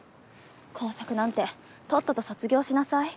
工作なんてとっとと卒業しなさい。